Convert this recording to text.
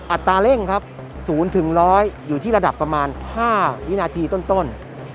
ตราเร่งครับ๐๑๐๐อยู่ที่ระดับประมาณ๕วินาทีต้น